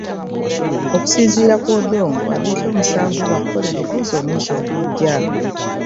Okusinziira ku Odongo, ab'ekyomusanvu ba kukola ebibuuzo omwezi ogujja